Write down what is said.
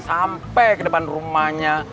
sampai ke depan rumahnya